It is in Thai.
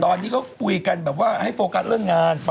ตอนนี้เขากลุยกันให้โฟกัสเลิกงาน